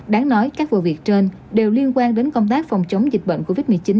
đáng nói các vụ việc trên đều liên quan đến công tác phòng chống dịch bệnh covid một mươi chín